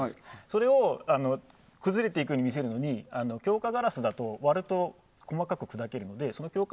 それを崩れていくように見せるのに強化ガラスだと割ると細かく砕けるので強化